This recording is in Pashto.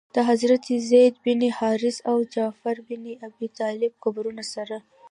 د حضرت زید بن حارثه او جعفر بن ابي طالب قبرونو سره.